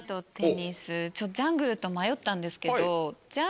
ジャングルと迷ったんですけど。